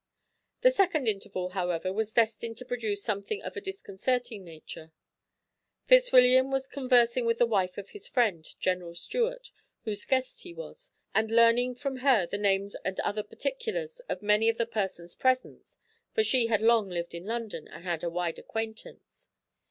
The second interval, however, was destined to produce something of a disconcerting nature. Fitzwilliam was conversing with the wife of his friend, General Stuart, whose guest he was, and learning from her the names and other particulars of many of the persons present, for she had long lived in London and had a wide acquaintance.